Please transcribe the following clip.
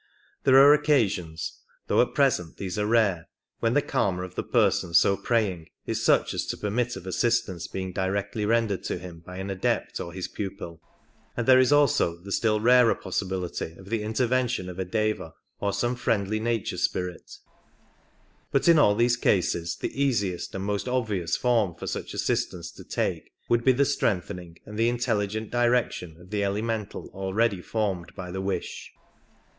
There are occasions, though at present these are rare, when the Karma of the person so praying is such as to permit of assistance being directly rendered to him by an Adept or his pupil, and there is also the still rarer possibility of the intervention of a Deva or some friendly nature spirit ; but in all these cases the easiest and most obvious form for such assistance to take would be the strengthening and the intelligent direction of the elemental already formed by the wish.